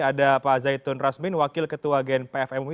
ada pak zaitun rasmin wakil ketua gnpf mui